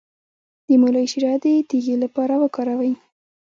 د مولی شیره د تیږې لپاره وکاروئ